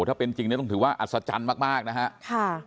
ถ้าเป็นจริงเนี่ยต้องถือว่าอัศจรรย์มากนะครับ